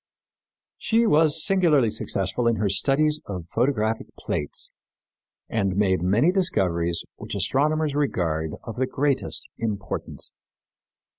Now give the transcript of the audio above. She was singularly successful in her studies of photographic plates and made many discoveries which astronomers regard of the greatest importance.